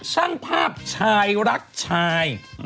ช่างภาพชายรักชาย